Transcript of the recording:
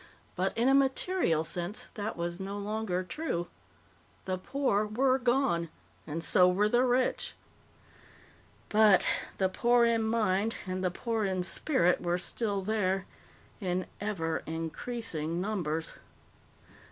But, in a material sense, that was no longer true. The poor were gone and so were the rich. But the poor in mind and the poor in spirit were still there in ever increasing numbers.